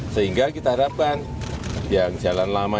sehingga kita harapkan yang jalan lama